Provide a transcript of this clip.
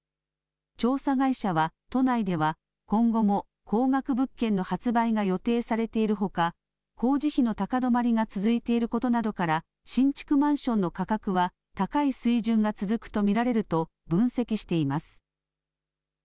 調査会社は、都内では今後も高額物件の発売が予定されているほか、工事費の高止まりが続いていることなどから、新築マンションの価格は高い水準が続くと見られると分析しています。